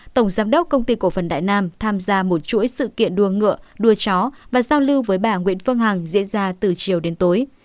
tổng giám đốc công ty cổ phần đại nam tham gia một chuỗi sự kiện đua ngựa đua chó và giao lưu với bà nguyễn phương hằng diễn ra từ chiều đến tối